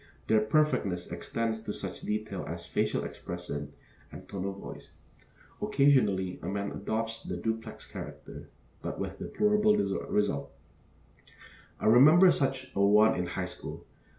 Their perfectness extends to such details as facial expression and tone of voice. Occasionally a man adopts the duplex character, but with deplorable result. I remember such a one in high school.